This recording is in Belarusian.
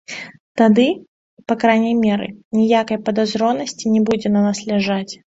Тады, па крайняй меры, ніякай падазронасці не будзе на нас ляжаць.